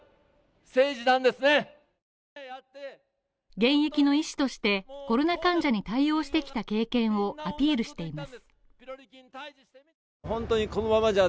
現役の医師としてコロナ患者に対応してきた経験をアピールしています